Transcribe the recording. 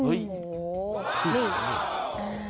โหทริป